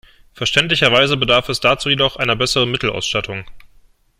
Verständlicherweise bedarf es dazu jedoch einer besseren Mittelausstattung.